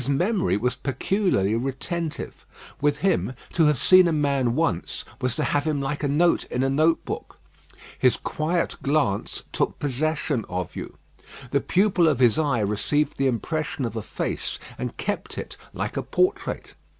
His memory was peculiarly retentive. With him, to have seen a man once, was to have him like a note in a note book. His quiet glance took possession of you. The pupil of his eye received the impression of a face, and kept it like a portrait.